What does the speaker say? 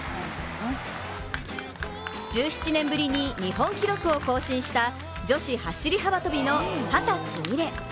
１７年ぶりに日本記録を更新した女子走り幅跳びの秦澄美鈴。